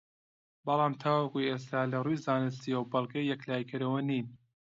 بەڵام تاکو ئێستا لەڕووی زانستییەوە بەڵگەی یەکلاییکەرەوە نین